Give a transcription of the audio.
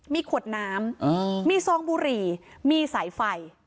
มีขวดน้ำมีซองบุหรี่มีสายไฟ